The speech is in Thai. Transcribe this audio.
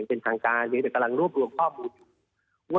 เป็นครางการยังถึงเป็นกะลังรวบรวมข้อมูล